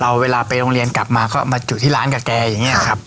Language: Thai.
เราเวลาไปโรงเรียนกลับมาเขามาอยู่ที่ร้านกับแกอย่างเงี้ยครับครับ